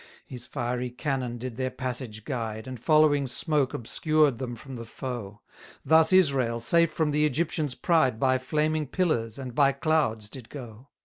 92 His fiery cannon did their passage guide, And following smoke obscured them from the foe: Thus Israel safe from the Egyptian's pride, By flaming pillars, and by clouds did go.